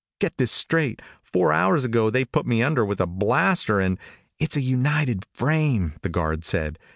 Get this straight! Four hours ago they put me under with a blaster and " "It's a United frame," the guard said.